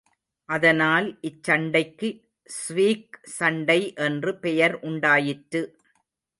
அதனால் இச்சண்டைக்கு ஸ்வீக் சண்டை என்று பெயர் உண்டாயிற்று.